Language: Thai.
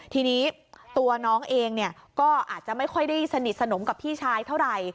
ทีนี้ตัวน้องเองก็อาจจะไม่ค่อยได้สนิทสนมกับพี่ชายเท่าไหร่